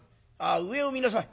上を見なさい。